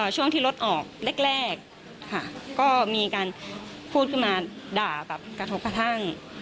ช่วงที่รถออกแรกค่ะก็มีการพูดขึ้นมาด่าแบบกระทบกระทั่ง